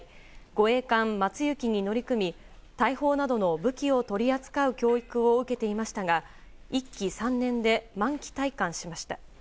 護衛艦「まつゆき」に乗り込み大砲などの武器を取り扱う教育を受けていましたが１期３年で満期退官しました。